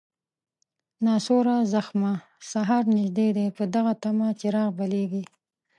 ناسوره زخمه، سهار نژدې دی په دغه طمه، چراغ بلیږي